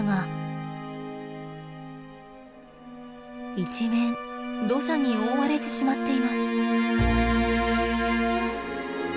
一面土砂に覆われてしまっています。